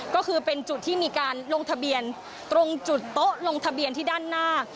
ก็คือเป็นจุดที่มีการลงทะเบียนตรงจุดโต๊ะลงทะเบียนที่ด้านหน้า